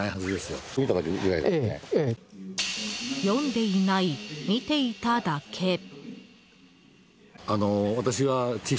読んでいない、見ていただけ。